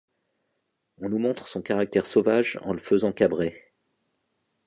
On nous montre son caractère sauvage en le faisant cabrer.